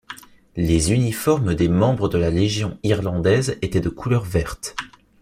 Les uniformes des membres de la Légion irlandaise étaient de couleur verte.